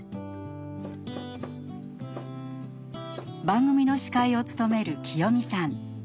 番組の司会を務めるきよみさん。